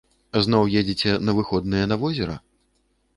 Зноў едзеце на выходныя на возера?